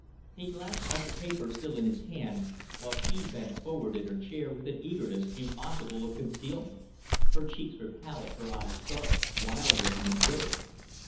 He glanced at the paper still in his hand, while she bent forward in her chair with an eagerness impossible of concealment. Her cheeks were pallid, her eyes dark, wild looking and brilliant.